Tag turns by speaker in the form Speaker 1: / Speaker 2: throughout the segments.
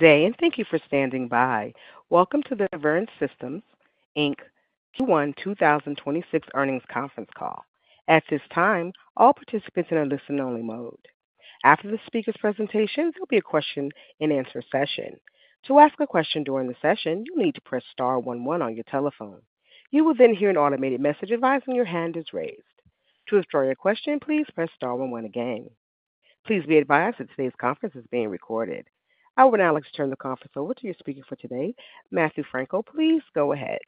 Speaker 1: Today, and thank you for standing by. Welcome to the Verint Systems Inc Q1 2026 earnings conference call. At this time, all participants are in listen-only mode. After the speaker's presentation, there will be a question-and-answer session. To ask a question during the session, you'll need to press star one one on your telephone. You will then hear an automated message advising your hand is raised. To withdraw your question, please press star one one again. Please be advised that today's conference is being recorded. I will now like to turn the conference over to your speaker for today, Matthew Frankel. Please go ahead.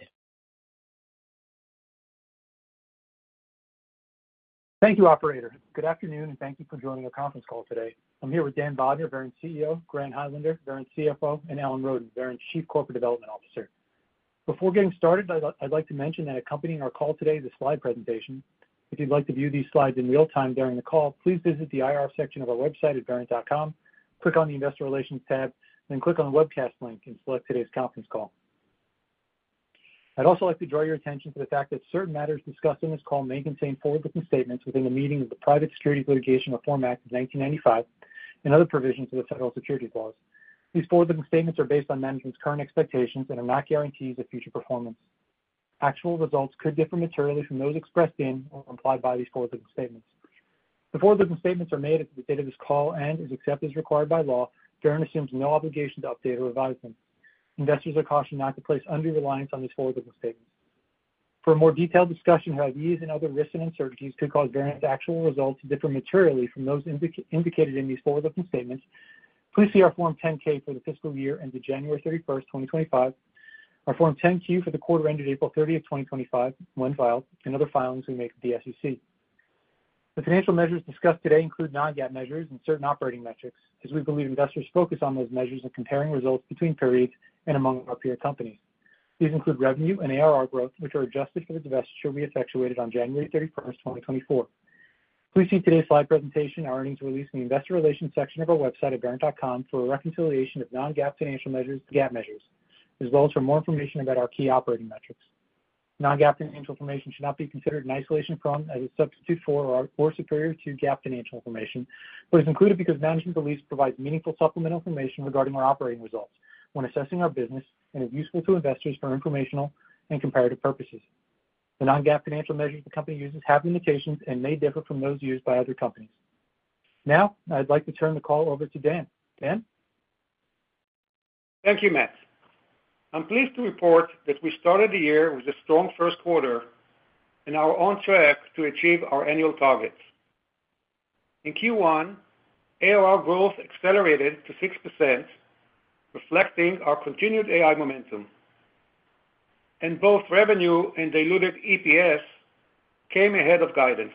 Speaker 2: Thank you, Operator. Good afternoon, and thank you for joining our conference call today. I'm here with Dan Bodner, Verint CEO; Grant Highlander, Verint CFO; and Alan Rhoad, Verint Chief Corporate Development Officer. Before getting started, I'd like to mention that accompanying our call today is a slide presentation. If you'd like to view these slides in real time during the call, please visit the IR section of our website at verint.com, click on the Investor Relations tab, then click on the webcast link, and select today's conference call. I'd also like to draw your attention to the fact that certain matters discussed in this call may contain forward-looking statements within the meaning of the Private Securities Litigation Reform Act of 1995 and other provisions of the federal securities laws. These forward-looking statements are based on management's current expectations and are not guarantees of future performance. Actual results could differ materially from those expressed in or implied by these forward-looking statements. The forward-looking statements are made at the date of this call and, as excepted as required by law, Verint assumes no obligation to update or revise them. Investors are cautioned not to place undue reliance on these forward-looking statements. For a more detailed discussion of how these and other risks and uncertainties could cause Verint's actual results to differ materially from those indicated in these forward-looking statements, please see our Form 10-K for the Fiscal Year ended January 31st 2025, our Form 10-Q for the quarter ended April 30th 2025, when filed, and other filings we make with the SEC. The financial measures discussed today include non-GAAP measures and certain operating metrics, as we believe investors focus on those measures in comparing results between periods and among our peer companies. These include revenue and ARR growth, which are adjusted for the divestiture we effectuated on January 31st 2024. Please see today's slide presentation, our earnings release, and the Investor Relations section of our website at verint.com for a reconciliation of non-GAAP financial measures to GAAP measures, as well as for more information about our key operating metrics. Non-GAAP financial information should not be considered in isolation from, as a substitute for, or superior to GAAP financial information. It is included because management believes it provides meaningful supplemental information regarding our operating results when assessing our business and is useful to investors for informational and comparative purposes. The non-GAAP financial measures the company uses have limitations and may differ from those used by other companies. Now, I'd like to turn the call over to Dan. Dan?
Speaker 3: Thank you, Matt. I'm pleased to report that we started the year with a strong first quarter and are on track to achieve our annual targets. In Q1, ARR growth accelerated to 6%, reflecting our continued AI momentum. Both revenue and diluted EPS came ahead of guidance.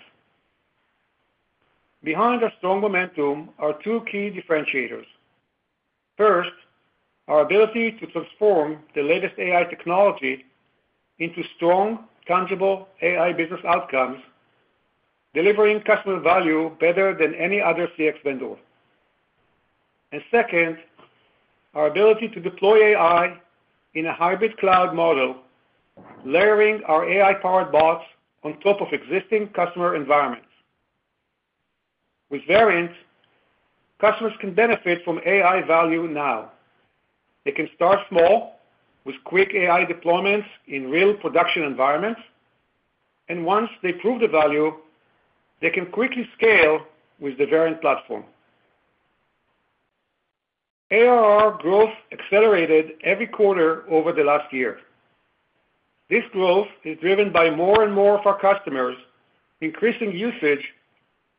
Speaker 3: Behind our strong momentum are two key differentiators. First, our ability to transform the latest AI technology into strong, tangible AI business outcomes, delivering customer value better than any other CX vendor. Second, our ability to deploy AI in a hybrid cloud model, layering our AI-powered bots on top of existing customer environments. With Verint, customers can benefit from AI value now. They can start small with quick AI deployments in real production environments. Once they prove the value, they can quickly scale with the Verint platform. ARR growth accelerated every quarter over the last year. This growth is driven by more and more of our customers increasing usage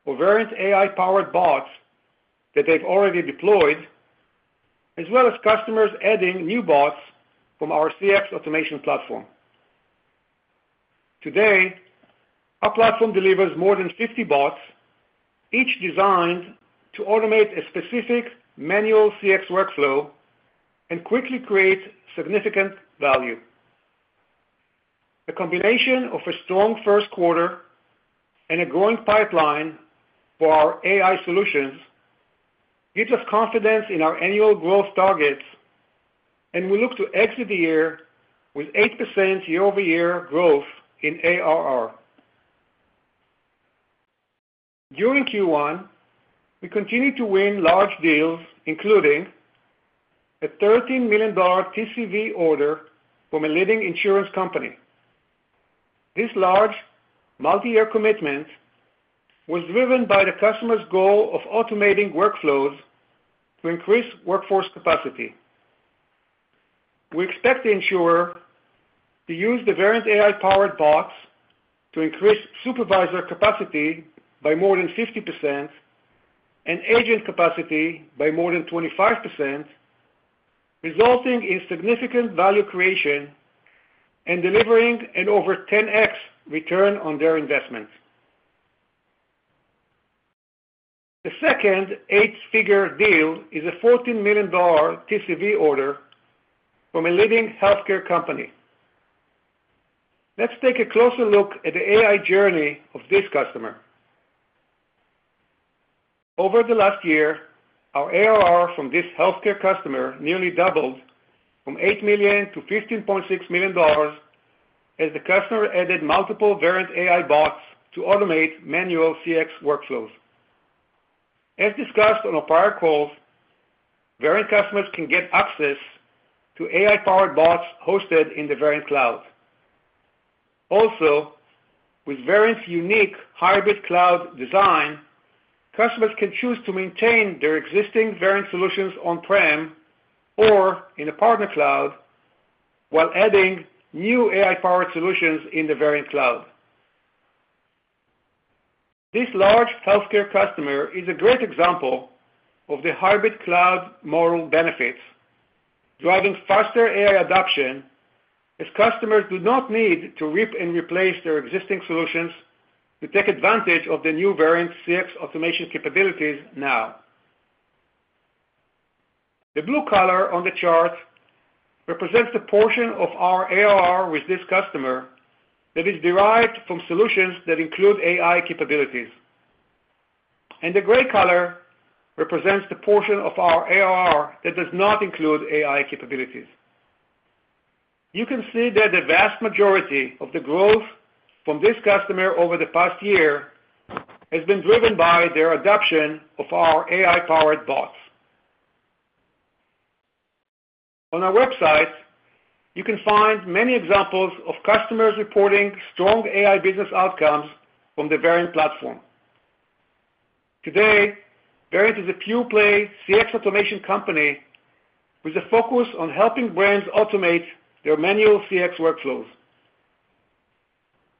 Speaker 3: of Verint AI-powered bots that they've already deployed, as well as customers adding new bots from our CX automation platform. Today, our platform delivers more than 50 bots, each designed to automate a specific manual CX workflow and quickly create significant value. The combination of a strong first quarter and a growing pipeline for our AI solutions gives us confidence in our annual growth targets, and we look to exit the year with 8% year-over-year growth in ARR. During Q1, we continued to win large deals, including a $13 million TCV order from a leading insurance company. This large multi-year commitment was driven by the customer's goal of automating workflows to increase workforce capacity. We expect the insurer to use the Verint AI-powered bots to increase supervisor capacity by more than 50% and agent capacity by more than 25%, resulting in significant value creation and delivering an over 10X return on their investment. The second eight-figure deal is a $14 million TCV order from a leading healthcare company. Let's take a closer look at the AI journey of this customer. Over the last year, our ARR from this healthcare customer nearly doubled from $8 million to $15.6 million as the customer added multiple Verint AI bots to automate manual CX workflows. As discussed on our prior calls, Verint customers can get access to AI-powered bots hosted in the Verint Cloud. Also, with Verint's unique hybrid cloud design, customers can choose to maintain their existing Verint solutions on-prem or in a partner cloud while adding new AI-powered solutions in the Verint Cloud. This large healthcare customer is a great example of the hybrid cloud model benefits, driving faster AI adoption as customers do not need to rip and replace their existing solutions to take advantage of the new Verint CX automation capabilities now. The blue color on the chart represents the portion of our ARR with this customer that is derived from solutions that include AI capabilities. The gray color represents the portion of our ARR that does not include AI capabilities. You can see that the vast majority of the growth from this customer over the past year has been driven by their adoption of our AI-powered bots. On our website, you can find many examples of customers reporting strong AI business outcomes from the Verint platform. Today, Verint is a pure-play CX automation company with a focus on helping brands automate their manual CX workflows.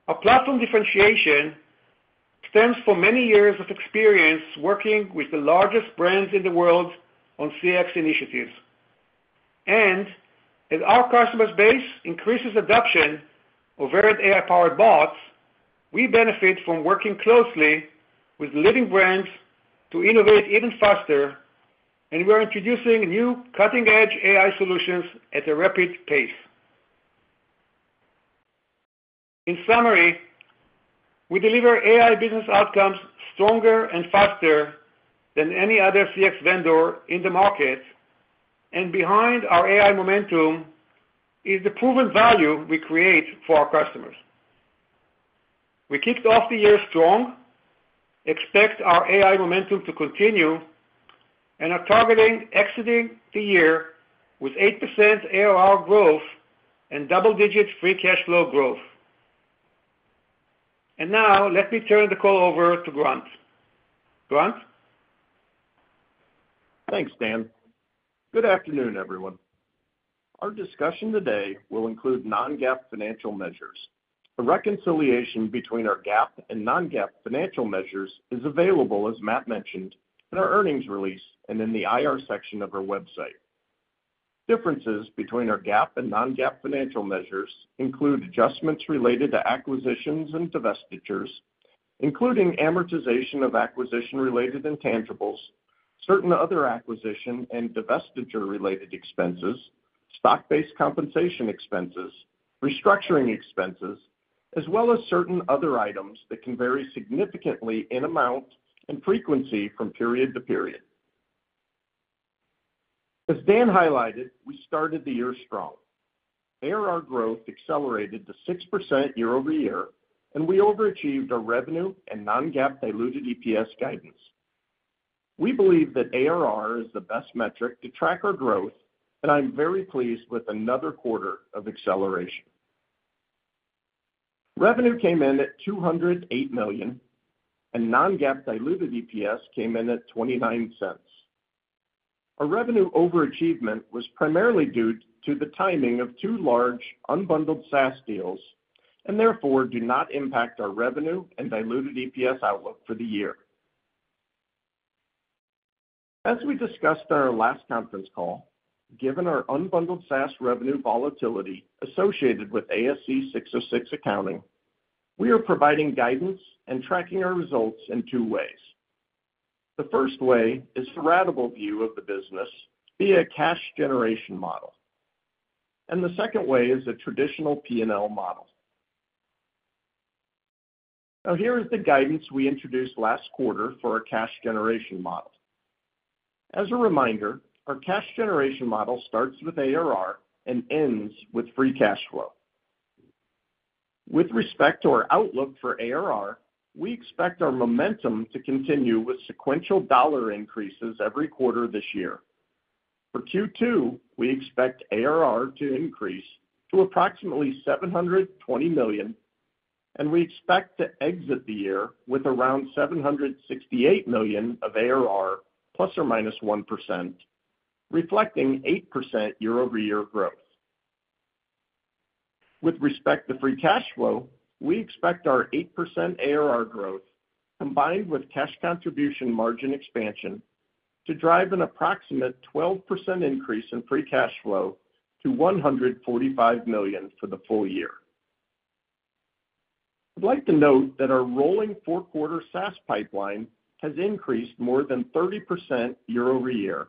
Speaker 3: Our platform differentiation stems from many years of experience working with the largest brands in the world on CX initiatives. As our customer base increases adoption of Verint AI-powered bots, we benefit from working closely with leading brands to innovate even faster, and we are introducing new cutting-edge AI solutions at a rapid pace. In summary, we deliver AI business outcomes stronger and faster than any other CX vendor in the market, and behind our AI momentum is the proven value we create for our customers. We kicked off the year strong, expect our AI momentum to continue, and are targeting exiting the year with 8% ARR growth and double-digit free cash flow growth. Let me turn the call over to Grant. Grant?
Speaker 4: Thanks, Dan. Good afternoon, everyone. Our discussion today will include non-GAAP financial measures. A reconciliation between our GAAP and non-GAAP financial measures is available, as Matt mentioned, in our earnings release and in the IR section of our website. Differences between our GAAP and non-GAAP financial measures include adjustments related to acquisitions and divestitures, including amortization of acquisition-related intangibles, certain other acquisition and divestiture-related expenses, stock-based compensation expenses, restructuring expenses, as well as certain other items that can vary significantly in amount and frequency from period to period. As Dan highlighted, we started the year strong. ARR growth accelerated to 6% year-over-year, and we overachieved our revenue and non-GAAP diluted EPS guidance. We believe that ARR is the best metric to track our growth, and I'm very pleased with another quarter of acceleration. Revenue came in at $208 million, and non-GAAP diluted EPS came in at $0.29. Our revenue overachievement was primarily due to the timing of two large unbundled SaaS deals and therefore do not impact our revenue and diluted EPS outlook for the year. As we discussed on our last conference call, given our unbundled SaaS revenue volatility associated with ASC 606 accounting, we are providing guidance and tracking our results in two ways. The first way is a ratable view of the business via a cash generation model, and the second way is a traditional P&L model. Now, here is the guidance we introduced last quarter for our cash generation model. As a reminder, our cash generation model starts with ARR and ends with free cash flow. With respect to our outlook for ARR, we expect our momentum to continue with sequential dollar increases every quarter this year. For Q2, we expect ARR to increase to approximately $720 million, and we expect to exit the year with around $768 million of ARR, plus or minus 1%, reflecting 8% year-over-year growth. With respect to free cash flow, we expect our 8% ARR growth, combined with cash contribution margin expansion, to drive an approximate 12% increase in free cash flow to $145 million for the full year. I'd like to note that our rolling four-quarter SaaS pipeline has increased more than 30% year-over-year,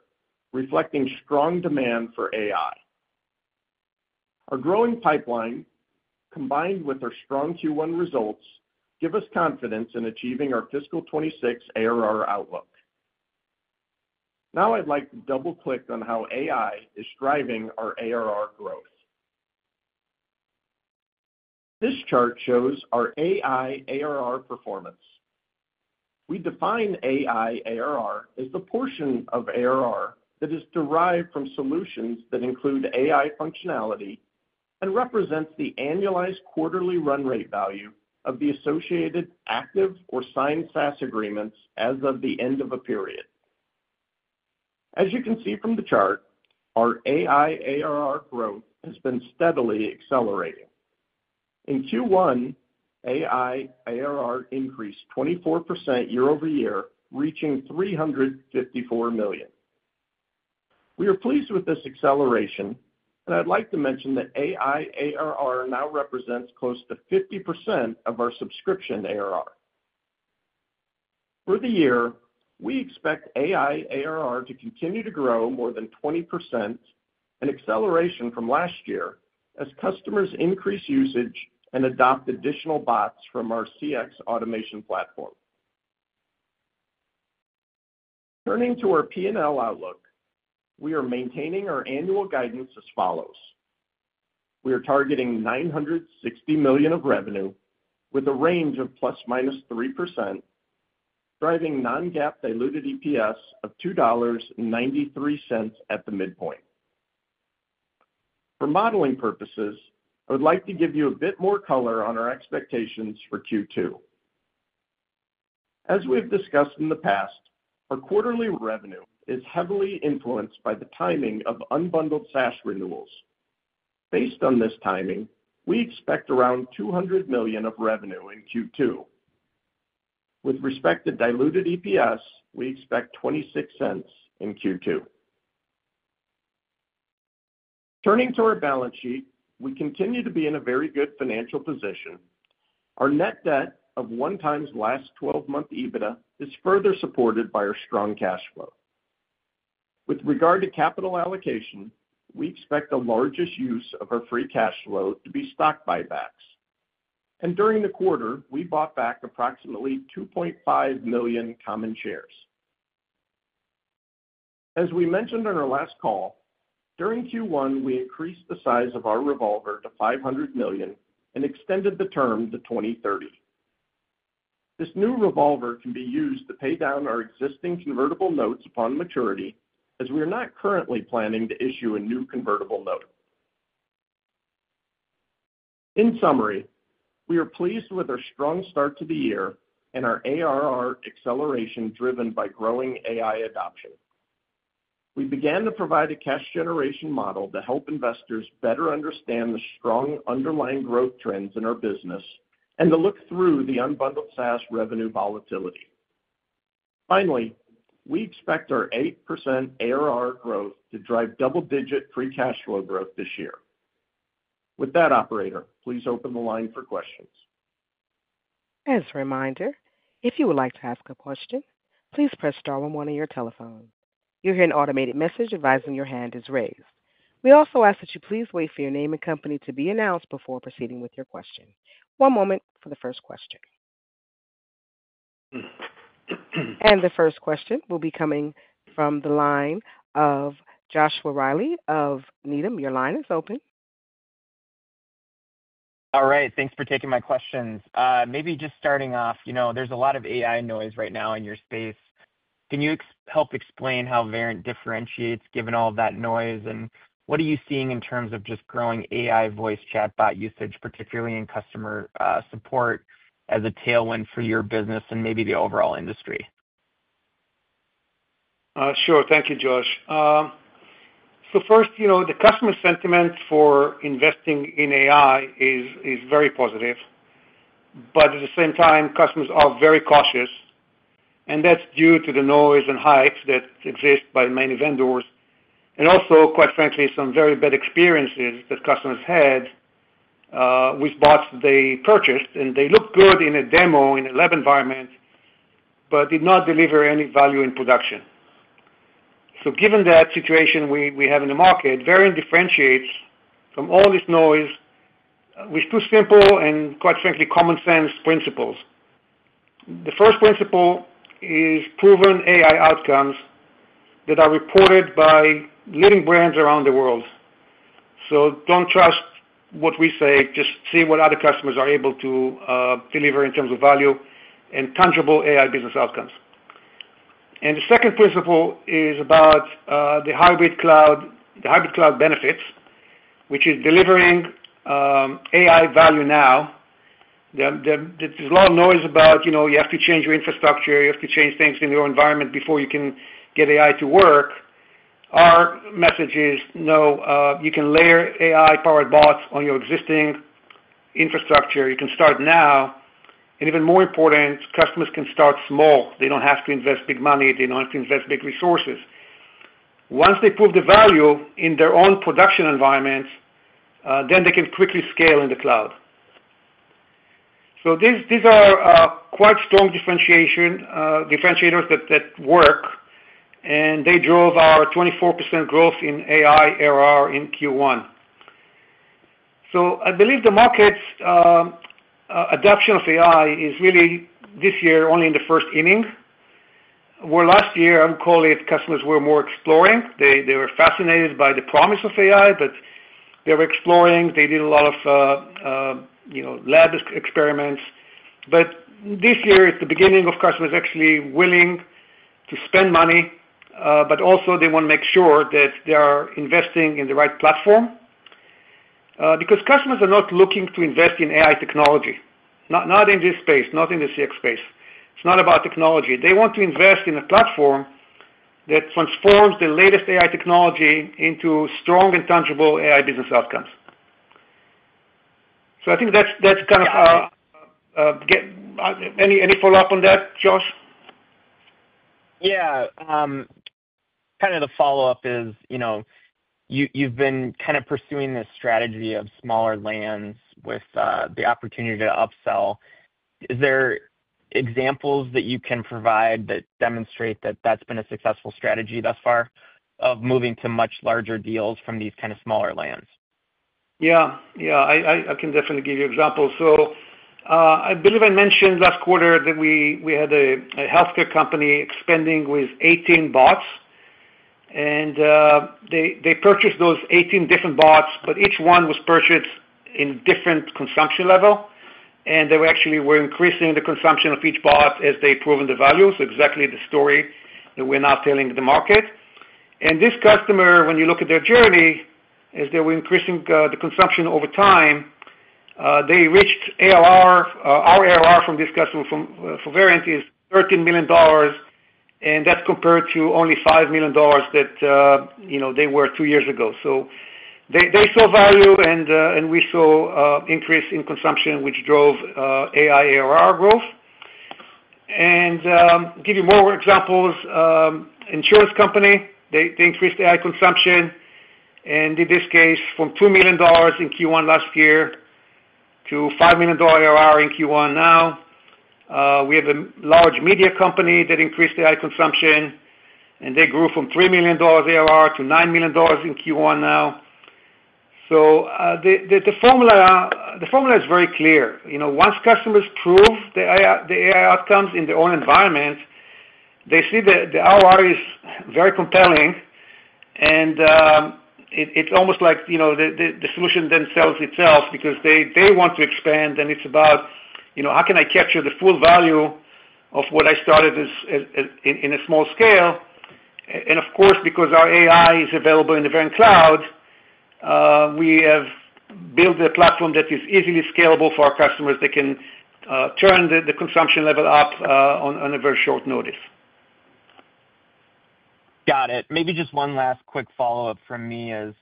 Speaker 4: reflecting strong demand for AI. Our growing pipeline, combined with our strong Q1 results, gives us confidence in achieving our fiscal 2026 ARR outlook. Now, I'd like to double-click on how AI is driving our ARR growth. This chart shows our AI ARR performance. We define AI ARR as the portion of ARR that is derived from solutions that include AI functionality and represents the annualized quarterly run rate value of the associated active or signed SaaS agreements as of the end of a period. As you can see from the chart, our AI ARR growth has been steadily accelerating. In Q1, AI ARR increased 24% year-over-year, reaching $354 million. We are pleased with this acceleration, and I'd like to mention that AI ARR now represents close to 50% of our subscription ARR. For the year, we expect AI ARR to continue to grow more than 20%, an acceleration from last year as customers increase usage and adopt additional bots from our CX automation platform. Turning to our P&L outlook, we are maintaining our annual guidance as follows. We are targeting $960 million of revenue with a range of plus or minus 3%, driving non-GAAP diluted EPS of $2.93 at the midpoint. For modeling purposes, I would like to give you a bit more color on our expectations for Q2. As we have discussed in the past, our quarterly revenue is heavily influenced by the timing of unbundled SaaS renewals. Based on this timing, we expect around $200 million of revenue in Q2. With respect to diluted EPS, we expect $0.26 in Q2. Turning to our balance sheet, we continue to be in a very good financial position. Our net debt of one times last 12-month EBITDA is further supported by our strong cash flow. With regard to capital allocation, we expect the largest use of our free cash flow to be stock buybacks. During the quarter, we bought back approximately 2.5 million common shares. As we mentioned on our last call, during Q1, we increased the size of our revolver to $500 million and extended the term to 2030. This new revolver can be used to pay down our existing convertible notes upon maturity, as we are not currently planning to issue a new convertible note. In summary, we are pleased with our strong start to the year and our ARR acceleration driven by growing AI adoption. We began to provide a cash generation model to help investors better understand the strong underlying growth trends in our business and to look through the unbundled SaaS revenue volatility. Finally, we expect our 8% ARR growth to drive double-digit free cash flow growth this year. With that, operator, please open the line for questions.
Speaker 1: As a reminder, if you would like to ask a question, please press star on one of your telephones. You'll hear an automated message advising your hand is raised. We also ask that you please wait for your name and company to be announced before proceeding with your question. One moment for the first question. The first question will be coming from the line of Joshua Reilly of Needham. Your line is open.
Speaker 5: All right. Thanks for taking my questions. Maybe just starting off, you know there's a lot of AI noise right now in your space. Can you help explain how Verint differentiates given all of that noise? What are you seeing in terms of just growing AI voice chatbot usage, particularly in customer support, as a tailwind for your business and maybe the overall industry?
Speaker 3: Sure. Thank you, Josh. First, you know the customer sentiment for investing in AI is very positive. At the same time, customers are very cautious. That is due to the noise and hypes that exist by many vendors. Also, quite frankly, some very bad experiences that customers had with bots they purchased. They looked good in a demo, in a lab environment, but did not deliver any value in production. Given that situation we have in the market, Verint differentiates from all this noise with two simple and, quite frankly, common-sense principles. The first principle is proven AI outcomes that are reported by leading brands around the world. Do not trust what we say. Just see what other customers are able to deliver in terms of value and tangible AI business outcomes. The second principle is about the hybrid cloud benefits, which is delivering AI value now. There is a lot of noise about you have to change your infrastructure. You have to change things in your environment before you can get AI to work. Our message is, no, you can layer AI-powered bots on your existing infrastructure. You can start now. Even more important, customers can start small. They do not have to invest big money. They do not have to invest big resources. Once they prove the value in their own production environments, they can quickly scale in the cloud. These are quite strong differentiators that work. They drove our 24% growth in AI ARR in Q1. I believe the market's adoption of AI is really, this year, only in the first inning, where last year, I would call it customers were more exploring. They were fascinated by the promise of AI, but they were exploring. They did a lot of lab experiments. This year, it's the beginning of customers actually willing to spend money, but also they want to make sure that they are investing in the right platform. Because customers are not looking to invest in AI technology, not in this space, not in the CX space. It's not about technology. They want to invest in a platform that transforms the latest AI technology into strong and tangible AI business outcomes. I think that's kind of our any follow-up on that, Josh?
Speaker 5: Yeah. Kind of the follow-up is, you've been kind of pursuing this strategy of smaller lands with the opportunity to upsell. Is there examples that you can provide that demonstrate that that's been a successful strategy thus far of moving to much larger deals from these kind of smaller lands?
Speaker 3: Yeah. Yeah. I can definitely give you examples. I believe I mentioned last quarter that we had a healthcare company expanding with 18 bots. They purchased those 18 different bots, but each one was purchased in a different consumption level. They were actually increasing the consumption of each bot as they proven the value. Exactly the story that we're now telling the market. This customer, when you look at their journey, as they were increasing the consumption over time, they reached ARR. Our ARR from this customer for Verint is $13 million. That's compared to only $5 million that they were two years ago. They saw value, and we saw an increase in consumption, which drove AI ARR growth. To give you more examples, an insurance company, they increased AI consumption. In this case, from $2 million in Q1 last year to $5 million ARR in Q1 now. We have a large media company that increased AI consumption. They grew from $3 million ARR to $9 million in Q1 now. The formula is very clear. Once customers prove the AI outcomes in their own environment, they see that the ARR is very compelling. It is almost like the solution then sells itself because they want to expand. It is about, how can I capture the full value of what I started in a small scale? Of course, because our AI is available in the Verint Cloud, we have built a platform that is easily scalable for our customers. They can turn the consumption level up on very short notice.
Speaker 5: Got it. Maybe just one last quick follow-up from me is,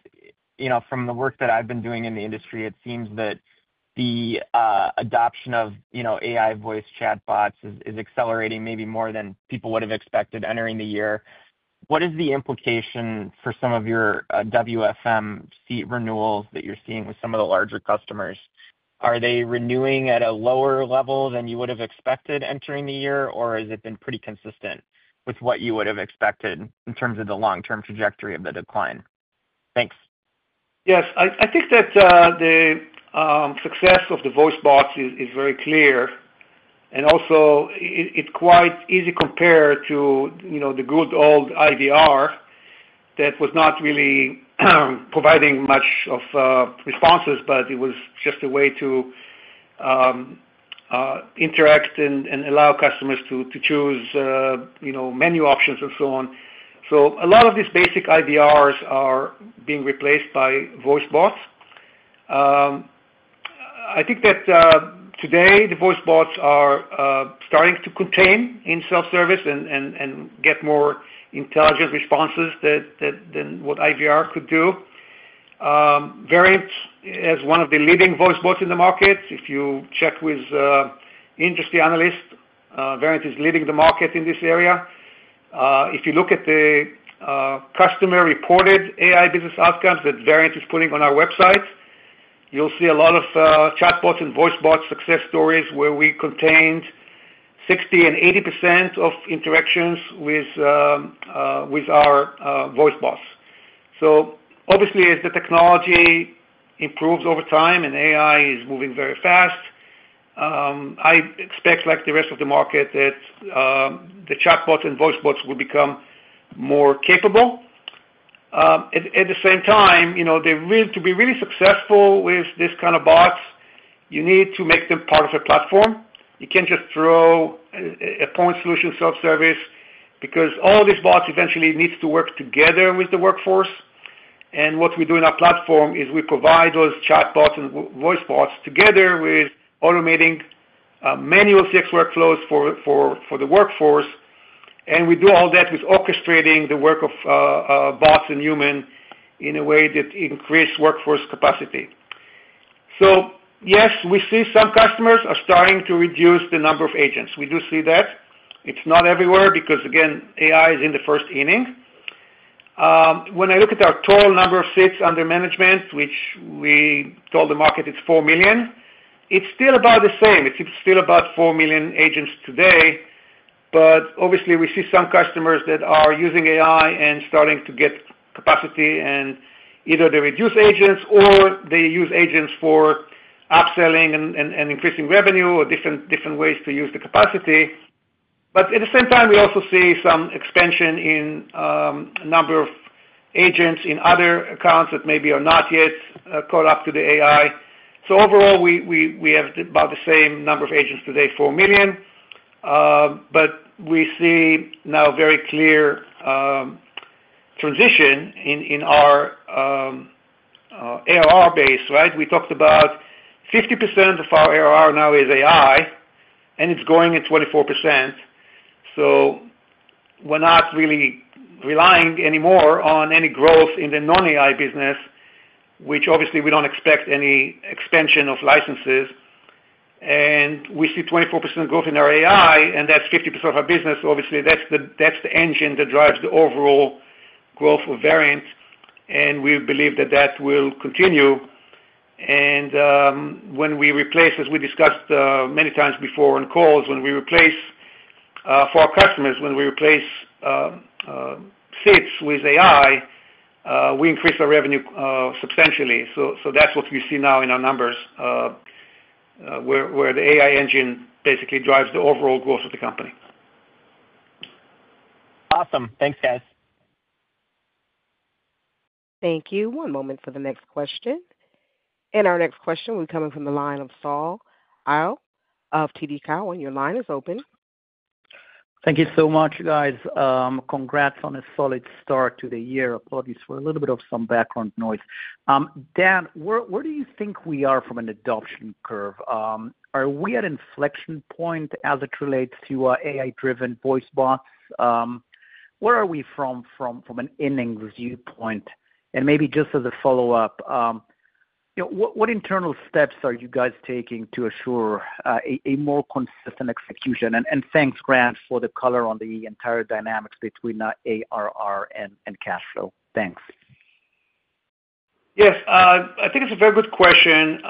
Speaker 5: from the work that I've been doing in the industry, it seems that the adoption of AI voice chatbots is accelerating maybe more than people would have expected entering the year. What is the implication for some of your WFM seat renewals that you're seeing with some of the larger customers? Are they renewing at a lower level than you would have expected entering the year, or has it been pretty consistent with what you would have expected in terms of the long-term trajectory of the decline? Thanks.
Speaker 3: Yes. I think that the success of the voice bots is very clear. I think also, it's quite easy compared to the good old IVR that was not really providing much of responses, but it was just a way to interact and allow customers to choose menu options and so on. A lot of these basic IVRs are being replaced by voice bots. I think that today, the voice bots are starting to contain in self-service and get more intelligent responses than what IVR could do. Verint is one of the leading voice bots in the market. If you check with industry analysts, Verint is leading the market in this area. If you look at the customer-reported AI business outcomes that Verint is putting on our website, you'll see a lot of chatbots and voice bot success stories where we contained 60% and 80% of interactions with our voice bots. Obviously, as the technology improves over time and AI is moving very fast, I expect, like the rest of the market, that the chatbots and voice bots will become more capable. At the same time, to be really successful with this kind of bots, you need to make them part of a platform. You can't just throw a point solution self-service because all these bots eventually need to work together with the workforce. What we do in our platform is we provide those chatbots and voice bots together with automating manual CX workflows for the workforce. We do all that with orchestrating the work of bots and humans in a way that increases workforce capacity. Yes, we see some customers are starting to reduce the number of agents. We do see that. It's not everywhere because, again, AI is in the first inning. When I look at our total number of seats under management, which we told the market is 4 million, it's still about the same. It's still about 4 million agents today. Obviously, we see some customers that are using AI and starting to get capacity. Either they reduce agents or they use agents for upselling and increasing revenue or different ways to use the capacity. At the same time, we also see some expansion in the number of agents in other accounts that maybe are not yet caught up to the AI. Overall, we have about the same number of agents today, 4 million. We see now a very clear transition in our ARR base, right? We talked about 50% of our ARR now is AI, and it's growing at 24%. We're not really relying anymore on any growth in the non-AI business, which obviously we don't expect any expansion of licenses. We see 24% growth in our AI, and that's 50% of our business. Obviously, that's the engine that drives the overall growth of Verint. We believe that that will continue. When we replace, as we discussed many times before on calls, when we replace for our customers, when we replace seats with AI, we increase our revenue substantially. That's what you see now in our numbers, where the AI engine basically drives the overall growth of the company.
Speaker 6: Awesome. Thanks, guys.
Speaker 1: Thank you. One moment for the next question. Our next question will be coming from the line of Shaul Eyal of TD Cowen, and your line is open.
Speaker 7: Thank you so much, guys. Congrats on a solid start to the year. Apologies for a little bit of some background noise. Dan, where do you think we are from an adoption curve? Are we at an inflection point as it relates to AI-driven voice bots? Where are we from an inning viewpoint? Maybe just as a follow-up, what internal steps are you guys taking to assure a more consistent execution? Thanks, Grant, for the color on the entire dynamics between ARR and cash flow. Thanks.
Speaker 3: Yes. I think it's a very good question.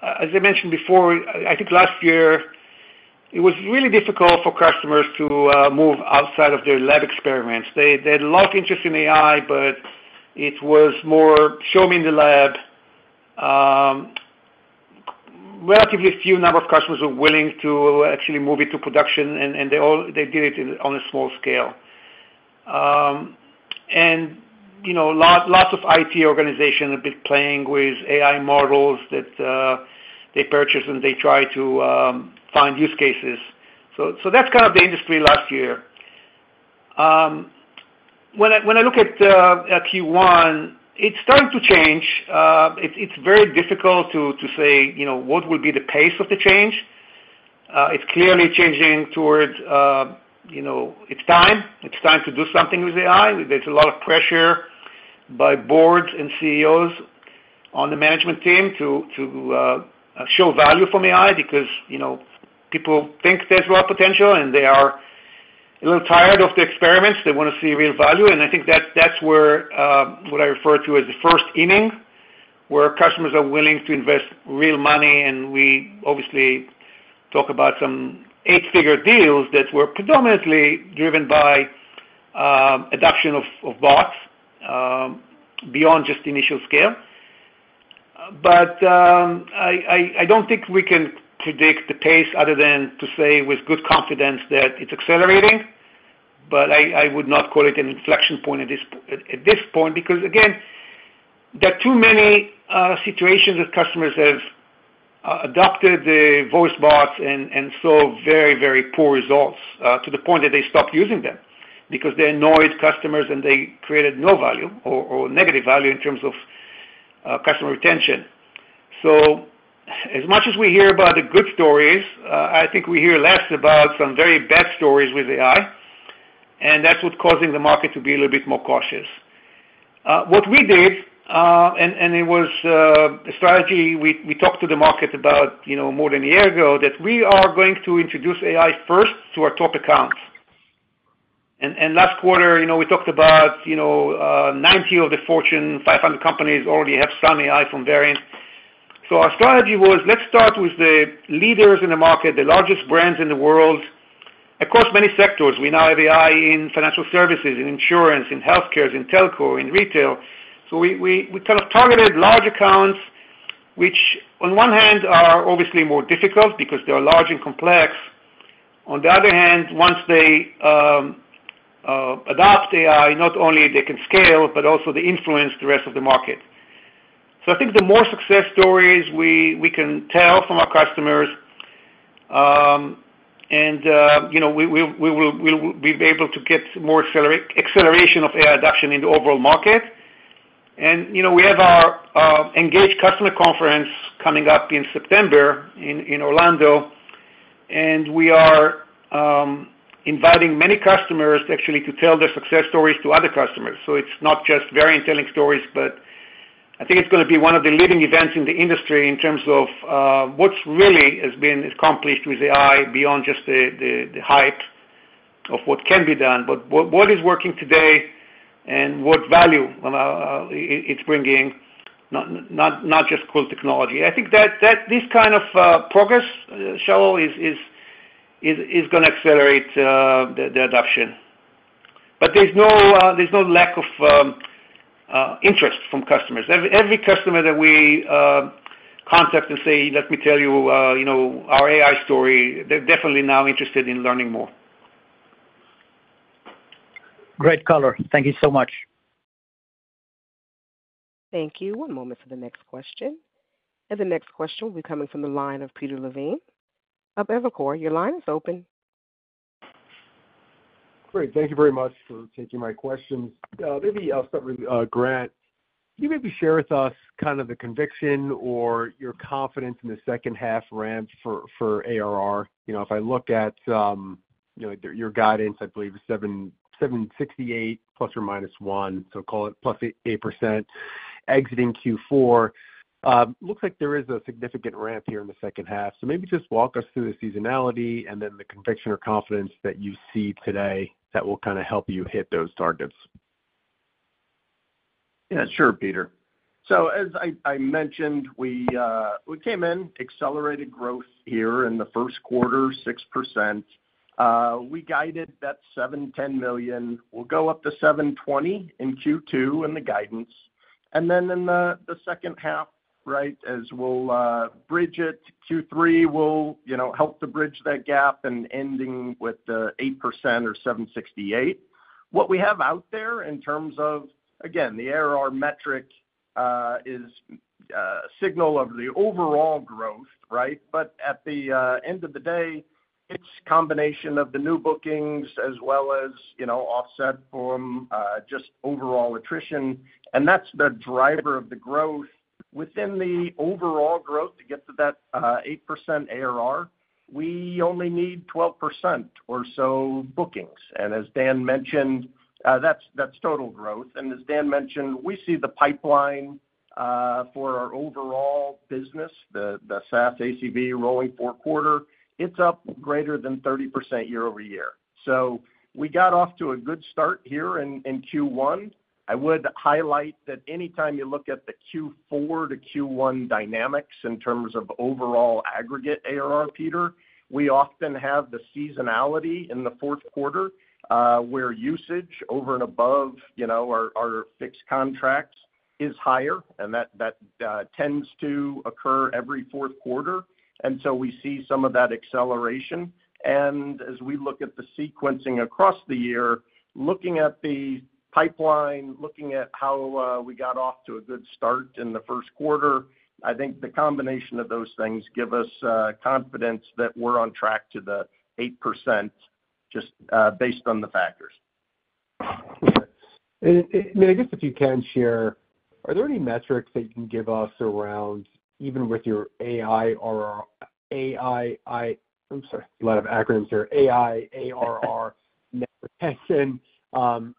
Speaker 3: As I mentioned before, I think last year, it was really difficult for customers to move outside of their lab experiments. They had a lot of interest in AI, but it was more show me in the lab. Relatively few number of customers were willing to actually move it to production, and they did it on a small scale. Lots of IT organizations have been playing with AI models that they purchase and they try to find use cases. That's kind of the industry last year. When I look at Q1, it's starting to change. It's very difficult to say what will be the pace of the change. It's clearly changing toward its time. It's time to do something with AI. is a lot of pressure by boards and CEOs on the management team to show value from AI because people think there is a lot of potential, and they are a little tired of the experiments. They want to see real value. I think that is what I refer to as the first inning, where customers are willing to invest real money. We obviously talk about some eight-figure deals that were predominantly driven by adoption of bots beyond just initial scale. I do not think we can predict the pace other than to say with good confidence that it is accelerating. I would not call it an inflection point at this point because, again, there are too many situations that customers have adopted the voice bots and saw very, very poor results to the point that they stopped using them because they annoyed customers and they created no value or negative value in terms of customer retention. As much as we hear about the good stories, I think we hear less about some very bad stories with AI. That is what is causing the market to be a little bit more cautious. What we did, and it was a strategy we talked to the market about more than a year ago, is that we are going to introduce AI first to our top accounts. Last quarter, we talked about 90 of the Fortune 500 companies already have some AI from Verint. Our strategy was, let's start with the leaders in the market, the largest brands in the world across many sectors. We now have AI in financial services, in insurance, in healthcare, in telco, in retail. We kind of targeted large accounts, which on one hand are obviously more difficult because they are large and complex. On the other hand, once they adopt AI, not only can they scale, but also they influence the rest of the market. I think the more success stories we can tell from our customers, we will be able to get more acceleration of AI adoption in the overall market. We have our engaged customer conference coming up in September in Orlando. We are inviting many customers actually to tell their success stories to other customers. It is not just Verint telling stories, but I think it is going to be one of the leading events in the industry in terms of what really has been accomplished with AI beyond just the hype of what can be done, but what is working today and what value it is bringing, not just cool technology. I think that this kind of progress, Charles, is going to accelerate the adoption. There is no lack of interest from customers. Every customer that we contact and say, "Let me tell you our AI story," they are definitely now interested in learning more.
Speaker 8: Great color. Thank you so much.
Speaker 1: Thank you. One moment for the next question. The next question will be coming from the line of Peter Levine of Evercore. Your line is open.
Speaker 9: Great. Thank you very much for taking my questions. Maybe I'll start with Grant. Can you maybe share with us kind of the conviction or your confidence in the second half, Grant, for ARR? If I look at your guidance, I believe it's $768 million plus or minus $1 million, so call it plus 8% exiting Q4. Looks like there is a significant ramp here in the second half. Maybe just walk us through the seasonality and then the conviction or confidence that you see today that will kind of help you hit those targets.
Speaker 4: Yeah, sure, Peter. As I mentioned, we came in, accelerated growth here in the first quarter, 6%. We guided that $710 million. We'll go up to $720 million in Q2 in the guidance. In the second half, right, as we'll bridge it, Q3, we'll help to bridge that gap and ending with the 8% or $768 million. What we have out there in terms of, again, the ARR metric is a signal of the overall growth, right? At the end of the day, it's a combination of the new bookings as well as offset from just overall attrition. That's the driver of the growth. Within the overall growth to get to that 8% ARR, we only need 12% or so bookings. As Dan mentioned, that's total growth. As Dan mentioned, we see the pipeline for our overall business, the SaaS ACV rolling fourth quarter, it's up greater than 30% year over year. We got off to a good start here in Q1. I would highlight that anytime you look at the Q4 to Q1 dynamics in terms of overall aggregate ARR, Peter, we often have the seasonality in the fourth quarter where usage over and above our fixed contracts is higher. That tends to occur every fourth quarter. We see some of that acceleration. As we look at the sequencing across the year, looking at the pipeline, looking at how we got off to a good start in the first quarter, I think the combination of those things gives us confidence that we're on track to the 8% just based on the factors.
Speaker 9: I guess if you can share, are there any metrics that you can give us around even with your AI ARR, AI—I'm sorry, a lot of acronyms here—AI, ARR, net retention,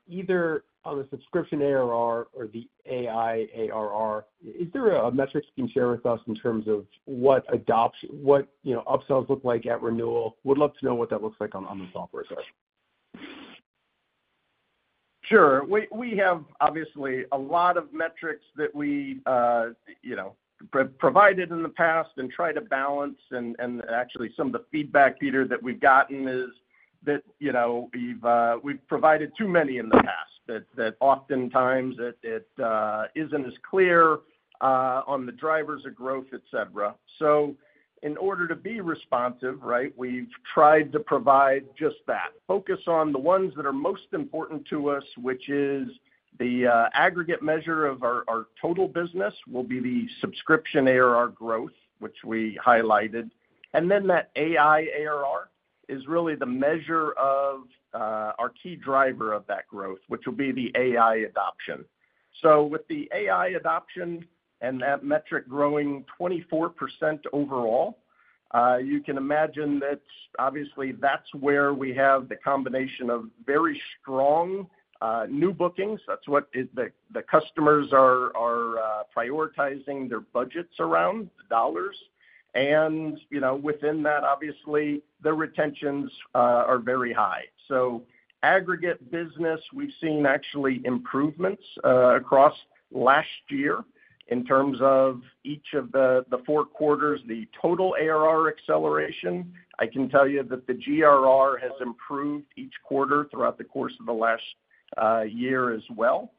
Speaker 9: either on the subscription ARR or the AI ARR? Is there a metric you can share with us in terms of what upsells look like at renewal? We'd love to know what that looks like on the software side.
Speaker 4: Sure. We have obviously a lot of metrics that we provided in the past and try to balance. Actually, some of the feedback, Peter, that we've gotten is that we've provided too many in the past that oftentimes it isn't as clear on the drivers of growth, etc. In order to be responsive, right, we've tried to provide just that. Focus on the ones that are most important to us, which is the aggregate measure of our total business will be the subscription ARR growth, which we highlighted. That AI ARR is really the measure of our key driver of that growth, which will be the AI adoption. With the AI adoption and that metric growing 24% overall, you can imagine that obviously that's where we have the combination of very strong new bookings. That's what the customers are prioritizing their budgets around, the dollars. Within that, obviously, the retentions are very high. Aggregate business, we've seen actually improvements across last year in terms of each of the four quarters, the total ARR acceleration. I can tell you that the GRR has improved each quarter throughout the course of the last year as well.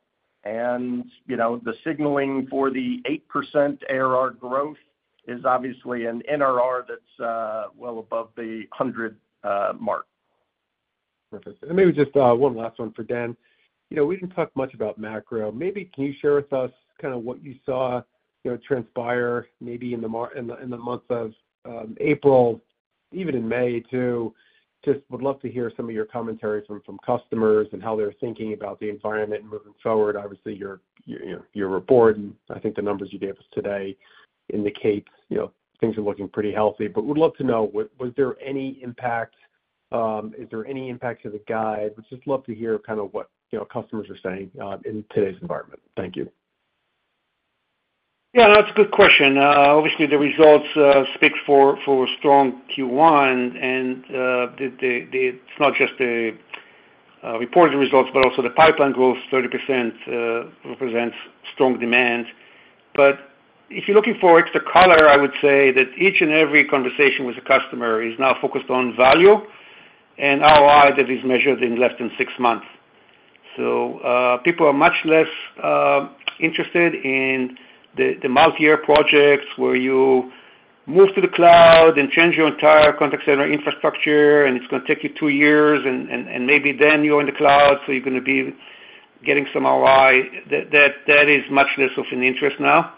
Speaker 4: The signaling for the 8% ARR growth is obviously an NRR that's well above the 100 mark.
Speaker 9: Perfect. Maybe just one last one for Dan. We did not talk much about macro. Maybe can you share with us kind of what you saw transpire maybe in the month of April, even in May too? Just would love to hear some of your commentary from customers and how they are thinking about the environment and moving forward. Obviously, your report and I think the numbers you gave us today indicate things are looking pretty healthy. Would love to know, was there any impact? Is there any impact to the guide? Would just love to hear kind of what customers are saying in today's environment. Thank you.
Speaker 3: Yeah, that's a good question. Obviously, the results speak for strong Q1. It's not just the reported results, but also the pipeline growth, 30% represents strong demand. If you're looking for extra color, I would say that each and every conversation with a customer is now focused on value and ROI that is measured in less than six months. People are much less interested in the multi-year projects where you move to the cloud and change your entire contact center infrastructure, and it's going to take you two years, and maybe then you're in the cloud, so you're going to be getting some ROI. That is much less of an interest now.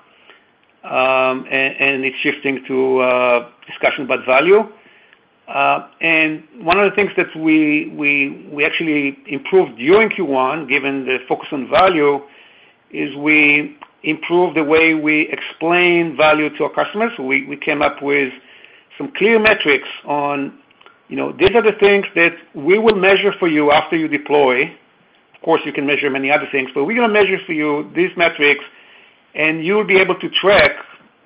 Speaker 3: It's shifting to discussion about value. One of the things that we actually improved during Q1, given the focus on value, is we improved the way we explain value to our customers. We came up with some clear metrics on these are the things that we will measure for you after you deploy. Of course, you can measure many other things, but we're going to measure for you these metrics, and you'll be able to track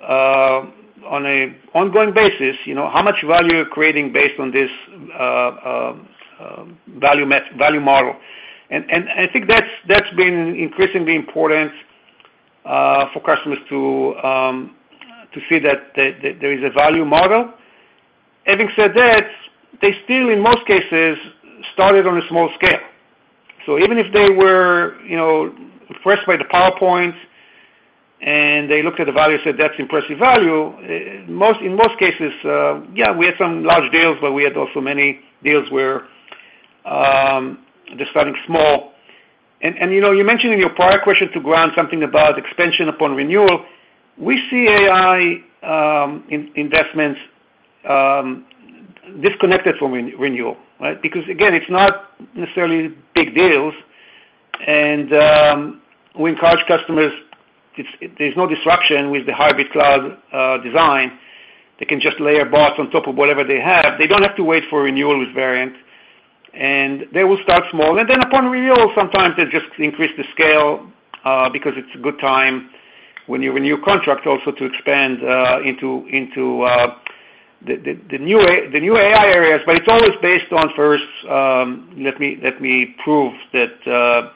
Speaker 3: on an ongoing basis how much value you're creating based on this value model. I think that's been increasingly important for customers to see that there is a value model. Having said that, they still, in most cases, started on a small scale. Even if they were impressed by the PowerPoint and they looked at the value and said, "That's impressive value," in most cases, yeah, we had some large deals, but we had also many deals where they're starting small. You mentioned in your prior question to Grant something about expansion upon renewal. We see AI investments disconnected from renewal, right? Because, again, it's not necessarily big deals. We encourage customers, there's no disruption with the hybrid cloud design. They can just layer bots on top of whatever they have. They don't have to wait for renewal with Verint. They will start small. Upon renewal, sometimes they just increase the scale because it's a good time when you renew contract also to expand into the new AI areas. It's always based on first, let me prove that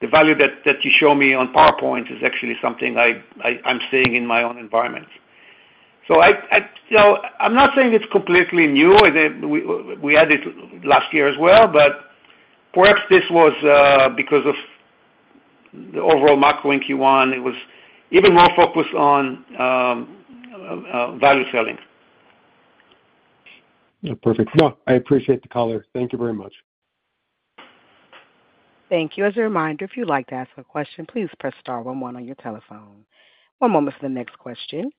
Speaker 3: the value that you show me on PowerPoint is actually something I'm seeing in my own environment. I'm not saying it's completely new. We added last year as well, but perhaps this was because of the overall macro in Q1. It was even more focused on value selling.
Speaker 9: Perfect. No, I appreciate the color. Thank you very much.
Speaker 1: Thank you. As a reminder, if you'd like to ask a question, please press star 11 on your telephone. One moment for the next question.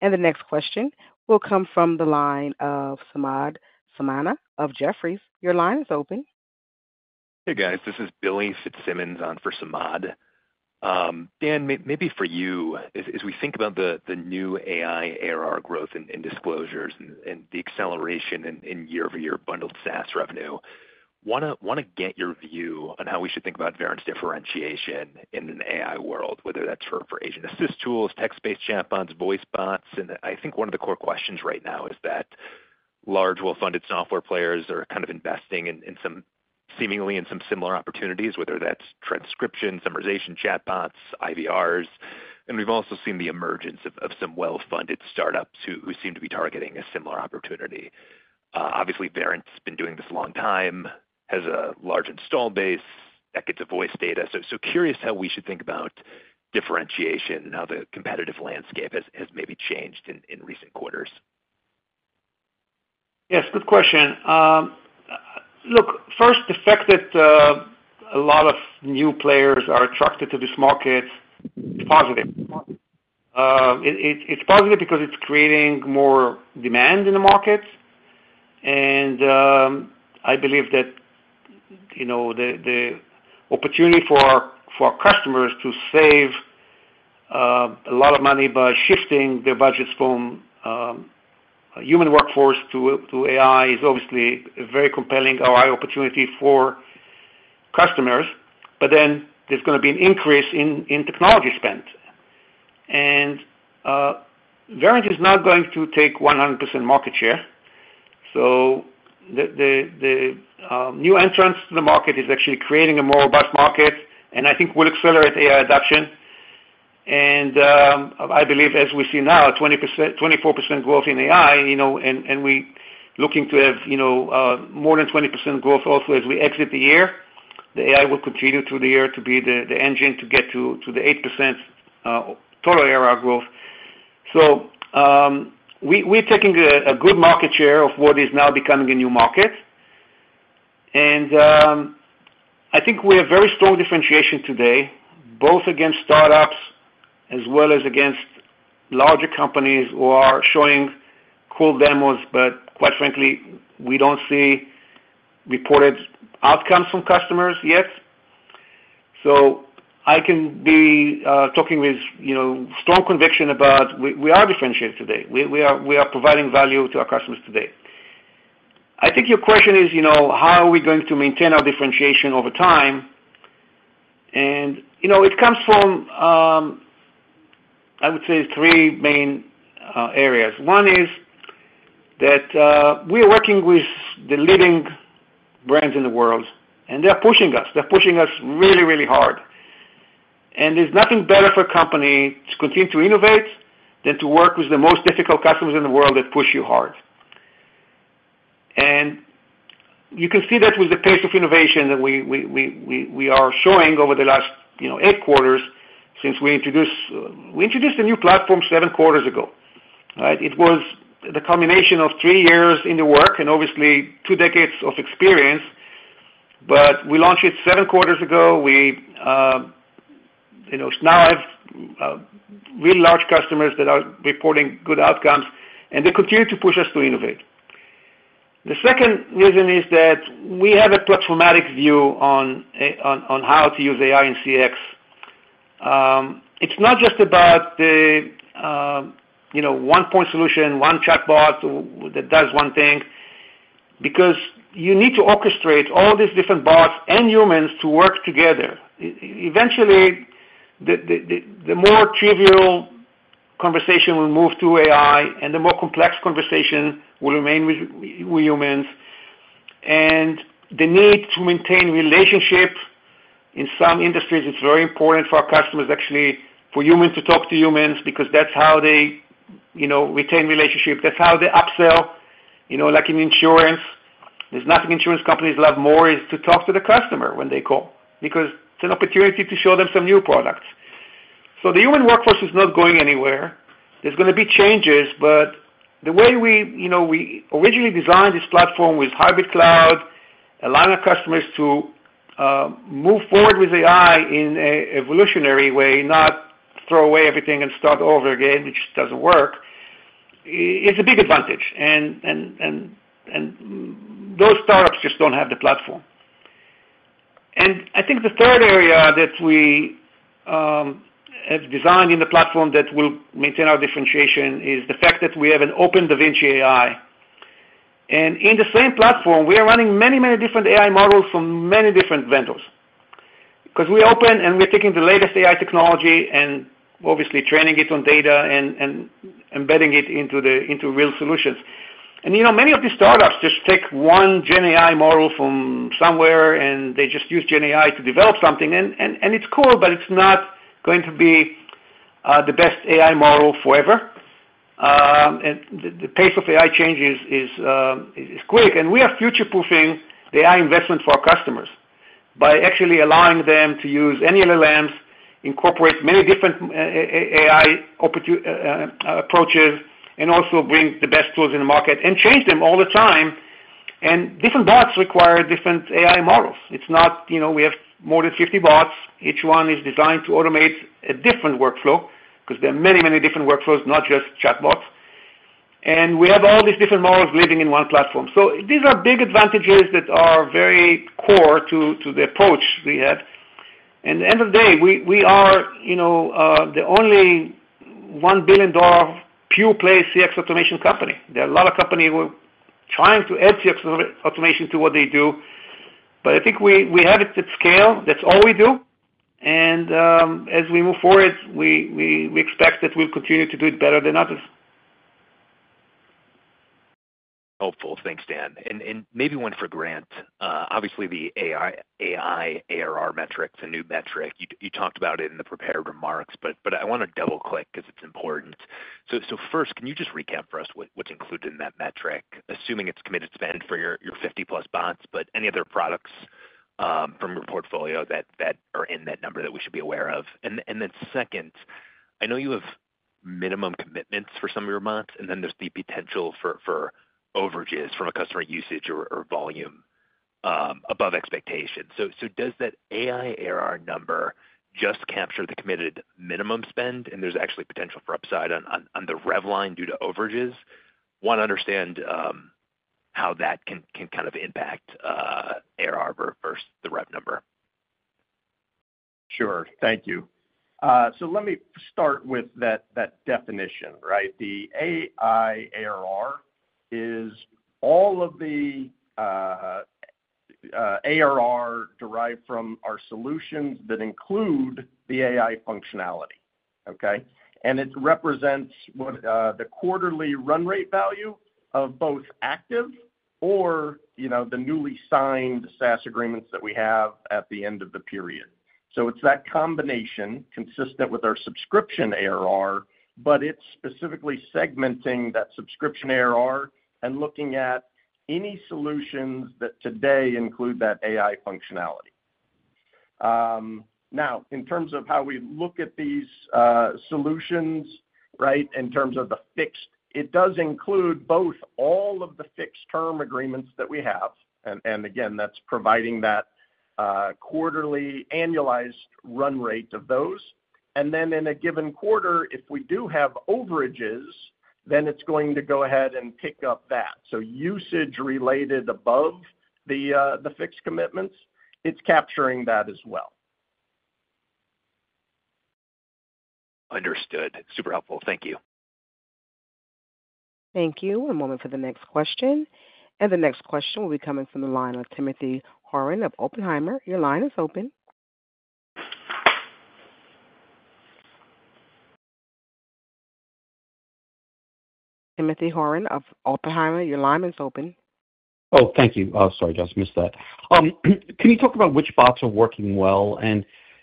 Speaker 1: The next question will come from the line of Samad Samana of Jefferies. Your line is open.
Speaker 10: Hey, guys. This is Billy Fitzsimmons on for Samad. Dan, maybe for you, as we think about the new AI ARR growth and disclosures and the acceleration in year-over-year bundled SaaS revenue, I want to get your view on how we should think about Verint's differentiation in an AI world, whether that's for agent-assist tools, text-based chatbots, voice bots. I think one of the core questions right now is that large well-funded software players are kind of investing in some seemingly in some similar opportunities, whether that's transcription, summarization chatbots, IVRs. We've also seen the emergence of some well-funded startups who seem to be targeting a similar opportunity. Obviously, Verint's been doing this a long time, has a large install base, decades of voice data. Curious how we should think about differentiation and how the competitive landscape has maybe changed in recent quarters.
Speaker 3: Yes, good question. Look, first, the fact that a lot of new players are attracted to this market is positive. It's positive because it's creating more demand in the market. I believe that the opportunity for our customers to save a lot of money by shifting their budgets from human workforce to AI is obviously a very compelling ROI opportunity for customers. There is going to be an increase in technology spend. Verint is not going to take 100% market share. The new entrants to the market are actually creating a more robust market, and I think will accelerate AI adoption. I believe, as we see now, 24% growth in AI, and we're looking to have more than 20% growth also as we exit the year. The AI will continue through the year to be the engine to get to the 8% total ARR growth. We're taking a good market share of what is now becoming a new market. I think we have very strong differentiation today, both against startups as well as against larger companies who are showing cool demos, but quite frankly, we don't see reported outcomes from customers yet. I can be talking with strong conviction about we are differentiated today. We are providing value to our customers today. I think your question is, how are we going to maintain our differentiation over time? It comes from, I would say, three main areas. One is that we are working with the leading brands in the world, and they're pushing us. They're pushing us really, really hard. There's nothing better for a company to continue to innovate than to work with the most difficult customers in the world that push you hard. You can see that with the pace of innovation that we are showing over the last eight quarters since we introduced the new platform seven quarters ago, right? It was the combination of three years in the work and obviously two decades of experience. We launched it seven quarters ago. Now I have really large customers that are reporting good outcomes, and they continue to push us to innovate. The second reason is that we have a platformatic view on how to use AI and CX. It's not just about the one-point solution, one chatbot that does one thing, because you need to orchestrate all these different bots and humans to work together. Eventually, the more trivial conversation will move to AI, and the more complex conversation will remain with humans. The need to maintain relationships in some industries is very important for our customers, actually, for humans to talk to humans, because that's how they retain relationships. That's how they upsell. Like in insurance, there's nothing insurance companies love more than to talk to the customer when they call, because it's an opportunity to show them some new products. The human workforce is not going anywhere. There are going to be changes, but the way we originally designed this platform with hybrid cloud, allowing our customers to move forward with AI in an evolutionary way, not throw away everything and start over again, which doesn't work, is a big advantage. Those startups just don't have the platform. I think the third area that we have designed in the platform that will maintain our differentiation is the fact that we have an open Da Vinci AI. In the same platform, we are running many, many different AI models from many different vendors. Because we are open and we're taking the latest AI technology and obviously training it on data and embedding it into real solutions. Many of these startups just take one Gen AI model from somewhere, and they just use Gen AI to develop something. It's cool, but it's not going to be the best AI model forever. The pace of AI changes is quick. We are future-proofing the AI investment for our customers by actually allowing them to use any LLMs, incorporate many different AI approaches, and also bring the best tools in the market and change them all the time. Different bots require different AI models. We have more than 50 bots. Each one is designed to automate a different workflow because there are many, many different workflows, not just chatbots. We have all these different models living in one platform. These are big advantages that are very core to the approach we have. At the end of the day, we are the only $1 billion pure-play CX automation company. There are a lot of companies who are trying to add CX automation to what they do. I think we have it at scale. That's all we do. As we move forward, we expect that we'll continue to do it better than others.
Speaker 10: Helpful. Thanks, Dan. Maybe one for Grant. Obviously, the AI ARR metric, the new metric, you talked about it in the prepared remarks, but I want to double-click because it's important. First, can you just recap for us what's included in that metric, assuming it's committed spend for your 50-plus bots, but any other products from your portfolio that are in that number that we should be aware of? Second, I know you have minimum commitments for some of your bots, and then there's the potential for overages from a customer usage or volume above expectation. Does that AI ARR number just capture the committed minimum spend, and there's actually potential for upside on the rev line due to overages? I want to understand how that can kind of impact ARR versus the rev number.
Speaker 4: Sure. Thank you. Let me start with that definition, right? The AI ARR is all of the ARR derived from our solutions that include the AI functionality, okay? It represents the quarterly run rate value of both active or the newly signed SaaS agreements that we have at the end of the period. It is that combination consistent with our subscription ARR, but it is specifically segmenting that subscription ARR and looking at any solutions that today include that AI functionality. Now, in terms of how we look at these solutions, right, in terms of the fixed, it does include all of the fixed-term agreements that we have. Again, that is providing that quarterly annualized run rate of those. In a given quarter, if we do have overages, then it is going to go ahead and pick up that. Usage related above the fixed commitments, it's capturing that as well.
Speaker 11: Understood. Super helpful. Thank you.
Speaker 1: Thank you. One moment for the next question. The next question will be coming from the line of Timothy Horan of Oppenheimer. Your line is open.
Speaker 12: Oh, thank you. Sorry, I just missed that. Can you talk about which bots are working well?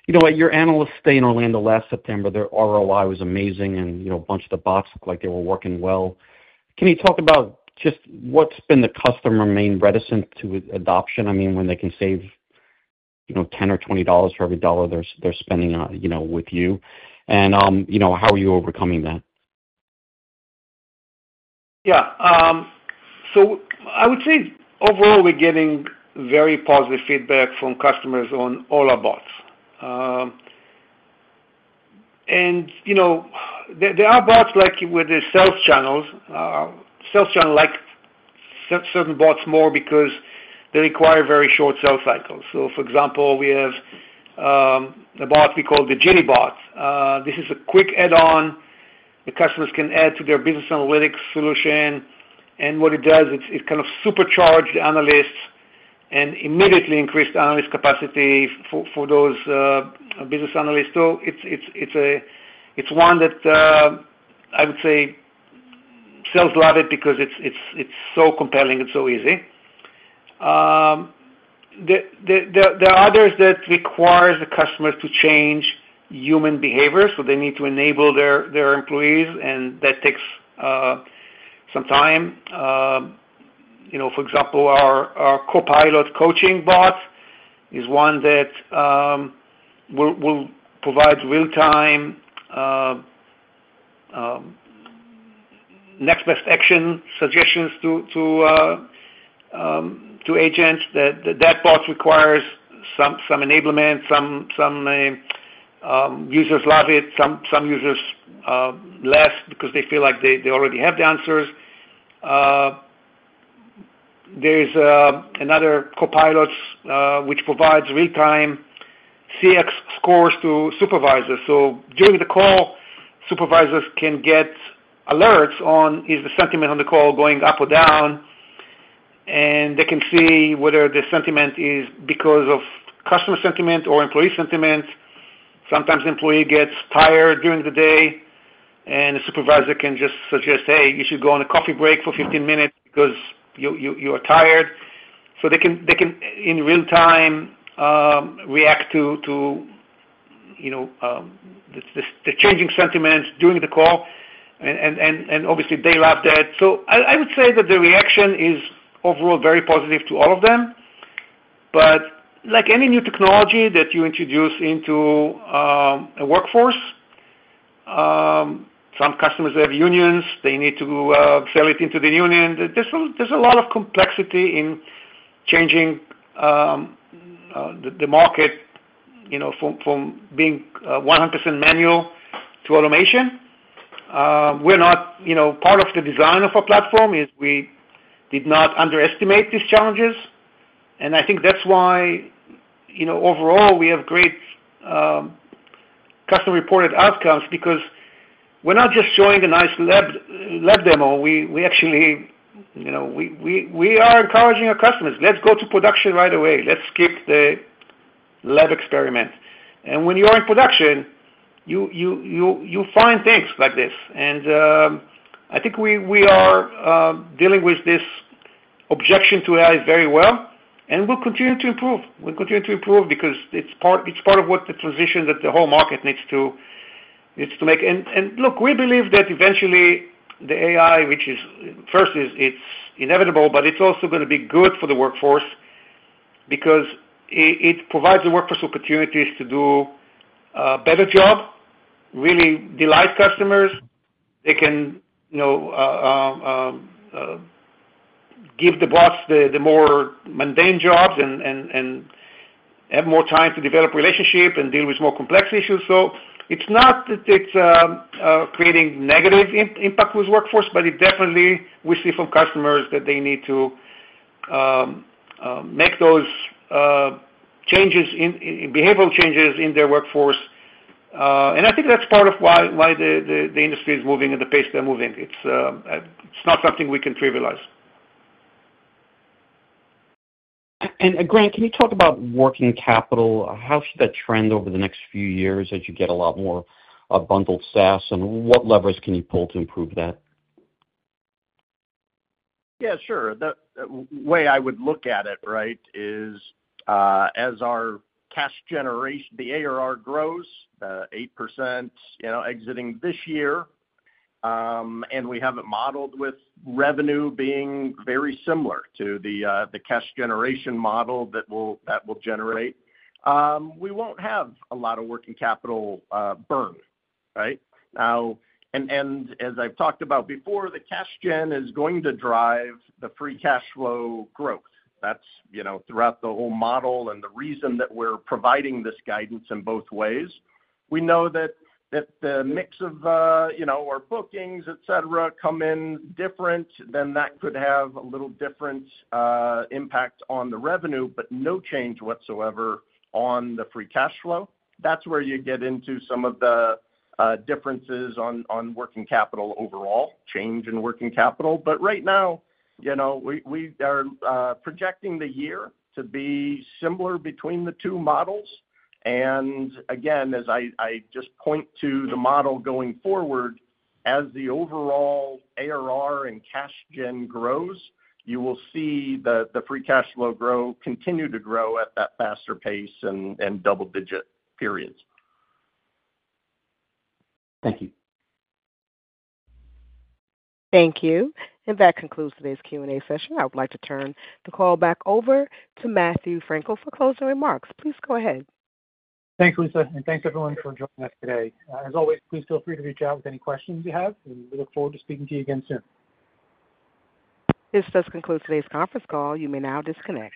Speaker 12: Your analysts stayed in Orlando last September. Their ROI was amazing, and a bunch of the bots looked like they were working well. Can you talk about just what's been the customer main reticent to adoption? I mean, when they can save $10 or $20 for every dollar they're spending with you, and how are you overcoming that?
Speaker 3: Yeah. I would say overall, we're getting very positive feedback from customers on all our bots. There are bots with the sales channels. Sales channel likes certain bots more because they require very short sales cycles. For example, we have a bot we call the Jini bot. This is a quick add-on the customers can add to their business analytics solution. What it does, it kind of supercharges analysts and immediately increases analyst capacity for those business analysts. It's one that I would say sales love because it's so compelling and so easy. There are others that require the customers to change human behavior, so they need to enable their employees, and that takes some time. For example, our copilot coaching bot is one that will provide real-time next best action suggestions to agents. That bot requires some enablement. Some users love it. Some users less because they feel like they already have the answers. There's another copilot which provides real-time CX scores to supervisors. During the call, supervisors can get alerts on is the sentiment on the call going up or down. They can see whether the sentiment is because of customer sentiment or employee sentiment. Sometimes the employee gets tired during the day, and the supervisor can just suggest, "Hey, you should go on a coffee break for 15 minutes because you are tired." They can, in real time, react to the changing sentiments during the call. Obviously, they love that. I would say that the reaction is overall very positive to all of them. Like any new technology that you introduce into a workforce, some customers have unions. They need to sell it into the union. There's a lot of complexity in changing the market from being 100% manual to automation. We're not part of the design of our platform. We did not underestimate these challenges. I think that's why overall we have great customer-reported outcomes because we're not just showing a nice lab demo. We actually are encouraging our customers, "Let's go to production right away. Let's skip the lab experiment." When you're in production, you find things like this. I think we are dealing with this objection to AI very well, and we'll continue to improve. We'll continue to improve because it's part of what the transition that the whole market needs to make. Look, we believe that eventually the AI, which is first, it's inevitable, but it's also going to be good for the workforce because it provides the workforce opportunities to do a better job, really delight customers. They can give the bots the more mundane jobs and have more time to develop relationships and deal with more complex issues. It is not that it is creating negative impact with workforce, but definitely we see from customers that they need to make those changes in behavioral changes in their workforce. I think that is part of why the industry is moving at the pace they are moving. It is not something we can trivialize.
Speaker 12: Grant, can you talk about working capital? How should that trend over the next few years as you get a lot more bundled SaaS? What levers can you pull to improve that?
Speaker 4: Yeah, sure. The way I would look at it, right, is as our cash generation, the ARR grows 8% exiting this year, and we have it modeled with revenue being very similar to the cash generation model that will generate, we won't have a lot of working capital burn, right? As I've talked about before, the cash gen is going to drive the free cash flow growth. That's throughout the whole model. The reason that we're providing this guidance in both ways, we know that the mix of our bookings, etc., come in different than that could have a little different impact on the revenue, but no change whatsoever on the free cash flow. That's where you get into some of the differences on working capital overall, change in working capital. Right now, we are projecting the year to be similar between the two models. As I just point to the model going forward, as the overall ARR and cash gen grows, you will see the free cash flow continue to grow at that faster pace and double-digit periods.
Speaker 12: Thank you.
Speaker 1: Thank you. That concludes today's Q&A session. I would like to turn the call back over to Matthew Frankel for closing remarks. Please go ahead.
Speaker 2: Thanks, Lisa. Thanks everyone for joining us today. As always, please feel free to reach out with any questions you have, and we look forward to speaking to you again soon.
Speaker 1: This does conclude today's conference call. You may now disconnect.